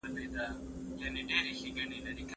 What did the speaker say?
سندري واوره؟